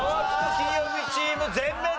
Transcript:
金曜日チーム全滅！